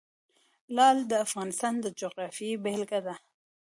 لعل د افغانستان د جغرافیې بېلګه ده.